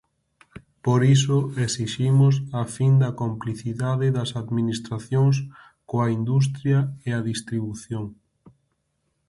Por iso exiximos a fin da complicidade das administracións coa industria e a distribución.